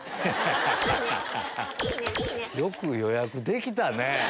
よく予約できたね